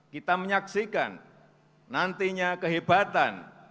kita menyaksikan nantinya kehebatan